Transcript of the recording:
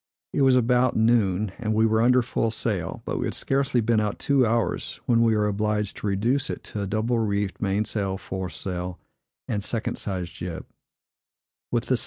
It was about noon, and we were under full sail; but we had scarcely been out two hours, when we were obliged to reduce it to a double reefed mainsail, foresail, and second sized jib.